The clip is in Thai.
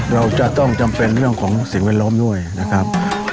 เราจะต้องจำเป็นเรื่องของสิ่งแวดล้อมด้วยนะครับ